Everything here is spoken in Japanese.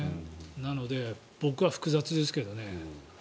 なので、僕は複雑ですけどね。